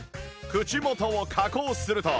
口元を加工すると